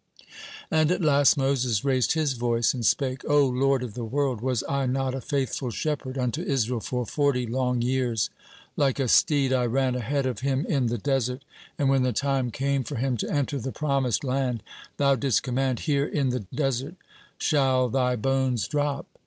And at last Moses raised his voice and spake: "O Lord of the world, was I not a faithful shepherd unto Israel for forty long years? Like a steed I ran ahead of him in the desert, and when the time came for him to enter the Promised Land, Thou didst command: 'Here in the desert shall thy bones drop!'